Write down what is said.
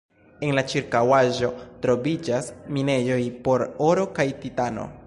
En la ĉirkaŭaĵo troviĝas minejoj por oro kaj titano.